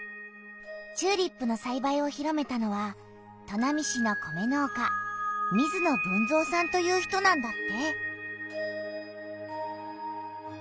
チューリップのさいばいを広めたのは砺波市の米農家水野豊造さんという人なんだって！